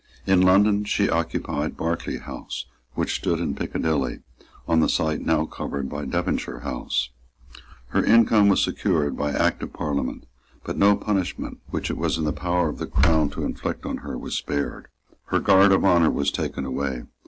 In London she occupied Berkeley House, which stood in Piccadilly, on the site now covered by Devonshire House. Her income was secured by Act of Parliament; but no punishment which it was in the power of the Crown to inflict on her was spared. Her guard of honour was taken away.